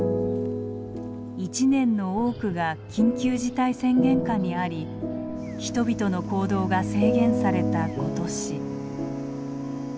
一年の多くが緊急事態宣言下にあり人々の行動が制限された今年。